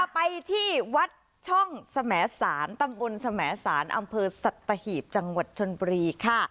ไปที่วัดช่องสมสารตำบลสมสารอำเภอสัตหีบจังหวัดชนบุรีค่ะ